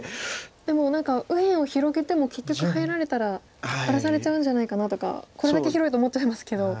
でも何か右辺を広げても結局入られたら荒らされちゃうんじゃないかなとかこれだけ広いと思っちゃいますけど。